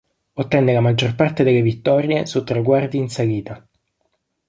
Ottenne la maggior parte delle vittorie su traguardi in salita.